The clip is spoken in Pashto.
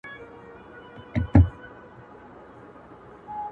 یو چرسي ورته زنګیږي یو بنګي غورځوي څوڼي.!